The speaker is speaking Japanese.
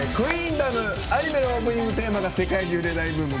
アニメのオープニングテーマが世界中で大ブーム。